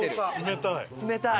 冷たい！